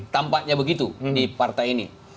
tampaknya begitu di partai ini